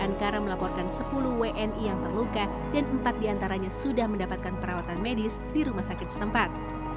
dengan kara melaporkan sepuluh wni yang terluka dan empat diantaranya sudah mendapatkan perawatan medis di rumah sakit setempat